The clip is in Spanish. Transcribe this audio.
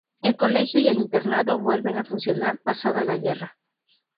El colegio y el internado vuelven a funcionar pasada la guerra.